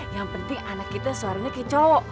yang penting anak kita suaranya kayak cowok